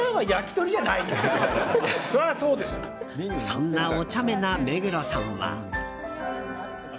そんなおちゃめな目黒さんは。